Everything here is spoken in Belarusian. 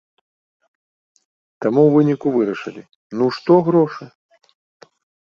Таму ў выніку вырашылі, ну што грошы?